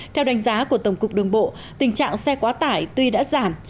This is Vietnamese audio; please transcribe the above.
theo đánh giá của tổng cục đường bộ tình trạng xe quá tải tuy đã giảm